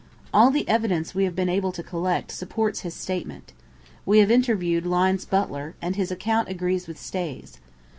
All the evidence we have been able to collect supports his statement. We have interviewed Lyne's butler, and his account agrees with Stay's.